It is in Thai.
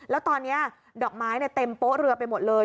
แล้วตอนนี้ดอกไม้เต็มโป๊ะเรือไปหมดเลย